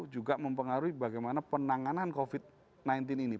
juga mempengaruhi bagaimana penanganan covid sembilan belas ini